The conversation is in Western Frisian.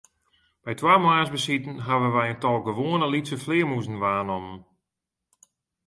By twa moarnsbesiten hawwe wy in tal gewoane lytse flearmûzen waarnommen.